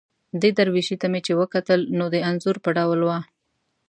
دې درویشي ته مې چې وکتل، نو د انځور په ډول وه.